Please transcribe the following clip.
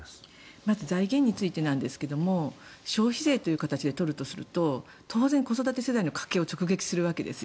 まず財源についてですが消費税という形で取るとすると当然、子育て世代の家計を直撃するわけですよ。